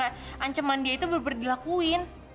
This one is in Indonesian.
ancaman dia itu dilakuin